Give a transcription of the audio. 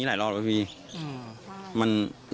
หลายรอดมีมัน